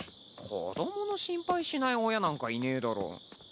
子どもの心配しない親なんかいねぇだろ。